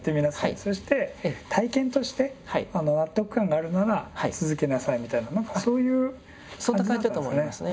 そして体験として納得感があるなら続けなさいみたいな何かそういう感じだったんですかね。